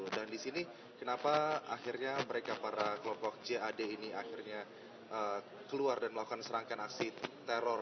dan di sini kenapa akhirnya mereka para kelompok jad ini akhirnya keluar dan melakukan serangkaian aksi teror